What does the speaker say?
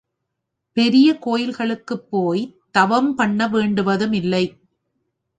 பெரிய கோயில்களுக்குப் போய்த் தவம் பண்ண வேண்டுவதும் இல்லை.